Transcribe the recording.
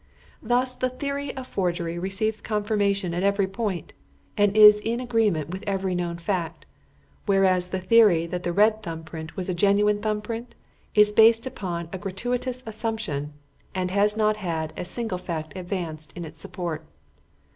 Thus the theory of forgery receives confirmation at every point, and is in agreement with every known fact; whereas the theory that the red thumb print was a genuine thumb print, is based upon a gratuitous assumption, and has not had a single fact advanced in its support.